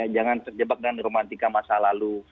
jangan terjebak dengan romantika masa lalu